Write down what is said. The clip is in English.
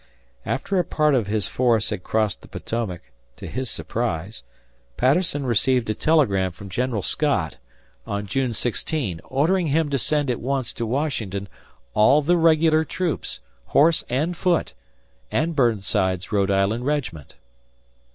After a part of his force had crossed the Potomac, to his surprise, Patterson received a telegram from General Scott, on June 16, ordering him to send at once to Washington all the regular troops, horse and foot, and Burnside's Rhode Island regiment.